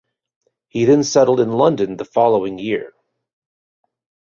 He then settled in London the following year.